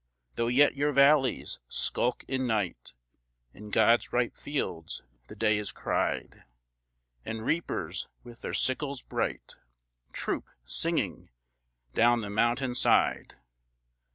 Though yet your valleys skulk in night, In God's ripe fields the day is cried, And reapers with their sickles bright, Troop, singing, down the mountain side.